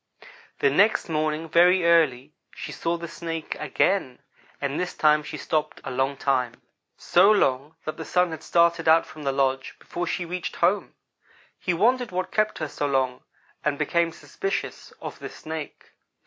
"The next morning very early she saw the Snake again, and this time she stopped a long time so long that the Sun had started out from the lodge before she reached home. He wondered what kept her so long, and became suspicious of the Snake.